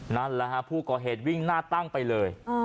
นั่นแหละฮะผู้ก่อเหตุวิ่งหน้าตั้งไปเลย